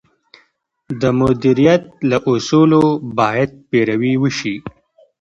د مدیریت له اصولو باید پیروي وشي.